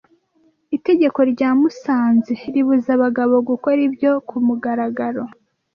Itegeko rya musanze ribuza abagabo gukora ibyo kumugaragaro